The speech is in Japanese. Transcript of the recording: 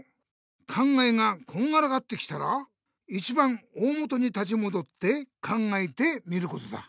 考えがこんがらがってきたらいちばん大もとに立ちもどって考えてみることだ。